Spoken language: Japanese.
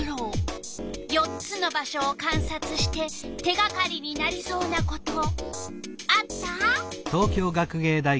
４つの場所をかんさつして手がかりになりそうなことあった？